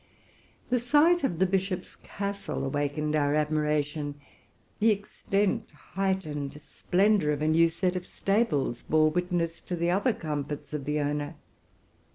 The sight of the bishop's castle awakened our admiration: the extent, height, and splendor of a new set of stables bore witness to the other comforts of the owner.